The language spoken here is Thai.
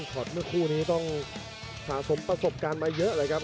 ตเมื่อคู่นี้ต้องสะสมประสบการณ์มาเยอะเลยครับ